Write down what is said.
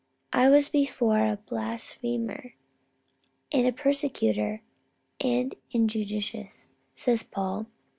I was before a blasphemer, and a persecutor, and injurious, says Paul.